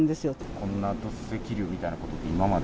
こんな土石流みたいなことっていうのは今まで？